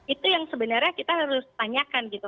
itu yang sebenarnya kita harus tanyakan gitu